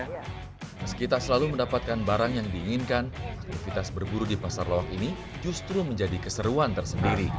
meski tak selalu mendapatkan barang yang diinginkan aktivitas berburu di pasar lawak ini justru menjadi keseruan tersendiri